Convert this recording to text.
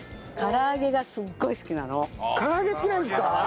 唐揚げ好きなんですか？